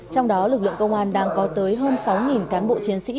trong đó lực lượng công an đang có tới hơn sáu cán bộ chiến sĩ